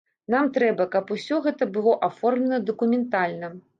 Нам трэба, каб усё гэта было аформлена дакументальна.